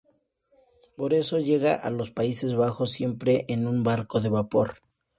Por eso llega a los Países Bajos siempre en un barco de vapor.